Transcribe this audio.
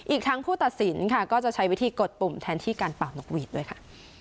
อีกทั้งผู้ตัดสินค่ะก็จะใช้วิธีกดปุ่มแทนที่การเป่านกหวีดด้วยค่ะ